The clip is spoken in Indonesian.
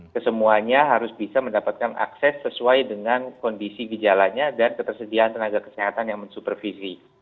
kesemuanya harus bisa mendapatkan akses sesuai dengan kondisi gejalanya dan ketersediaan tenaga kesehatan yang mensupervisi